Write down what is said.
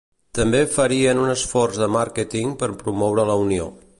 També farien un esforç de màrqueting per promoure la unió.